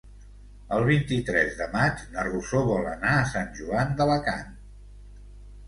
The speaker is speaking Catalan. El vint-i-tres de maig na Rosó vol anar a Sant Joan d'Alacant.